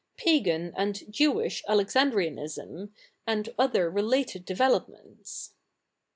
Pagan and Jewish Alexandrianism, and other related developments.